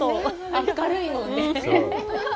明るいもんね。